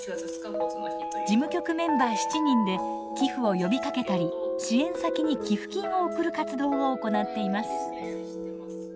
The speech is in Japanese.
事務局メンバー７人で寄付を呼びかけたり支援先に寄付金を送る活動を行っています。